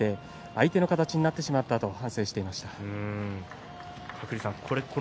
相手の形になってしまったと反省していました。